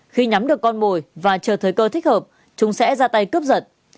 khi nhắm được con mồi và chờ thời cơ thích hợp chúng sẽ ra tay cướp giật